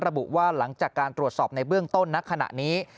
ระบุว่าหลังจากการตรวจสอบในเบื้องต้นณขณะนี้